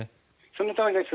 そのとおりです。